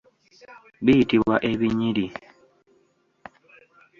Biyitibwa ebinyiri.